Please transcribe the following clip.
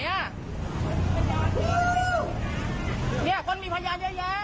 เนี่ยคนมีพยานเยอะแยะ